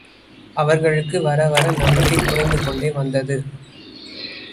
அவர்களுக்கு வர வர நம்பிக்கை குறைந்து கொண்டே வந்தது.